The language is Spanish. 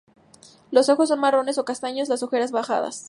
Los ojos son marrones o castaños, las orejas bajadas.